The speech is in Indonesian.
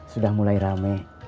sudah mulai rame